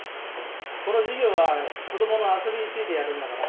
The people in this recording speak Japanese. この授業は子供の遊びについてやるんだから。